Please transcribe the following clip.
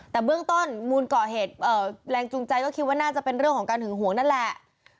แต่เบื้องต้นมูลก่อเหตุแรงจูงใจก็คิดว่าน่าจะเป็นเรื่องของการหึงหวงนั่นแหละ